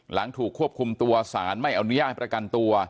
หลังถูกควบคุมตัวสารไม่อนุญาตประกันตัว